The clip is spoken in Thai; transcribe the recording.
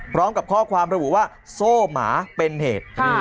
พร้อมกับข้อความระบุว่าโซ่หมาเป็นเหตุ